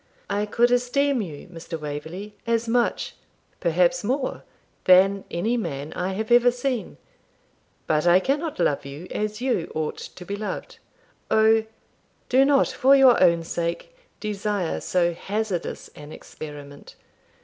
'I could esteem you, Mr. Waverley, as much, perhaps more, than any man I have ever seen; but I cannot love you as you ought to be loved. O! do not, for your own sake, desire so hazardous an experiment!